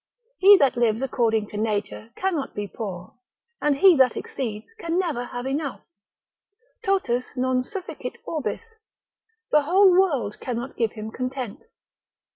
He that lives according to nature cannot be poor, and he that exceeds can never have enough, totus non sufficit orbis, the whole world cannot give him content.